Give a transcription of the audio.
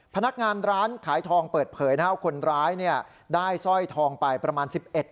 พนักงานร้านขายทองเปิดเผยหน้าคนร้ายเนี่ยได้สร้อยทองไปประมาณสิบเอ็ด